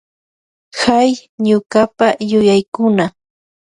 Hay ñukapa yuyaykan.